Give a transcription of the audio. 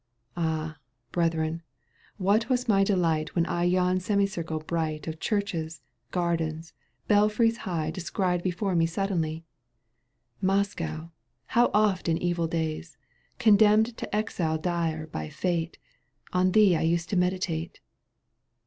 ^® Ah ! brethren, what was my delight When I yon semicircle bright v! Of churches, gardens, belfries high X^ Descried before me suddenly ! Moscow, how oft in evil days, '^ Condemned to exile dire by fate, On thee I used to meditate